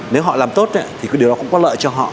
nếu họ làm tốt thì cái điều đó cũng có lợi cho họ